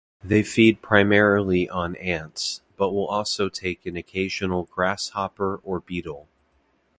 They feed primarily on ants, but will also take an occasional grasshopper or beetle.